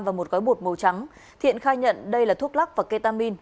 và một gói bột màu trắng thiện khai nhận đây là thuốc lắc và ketamin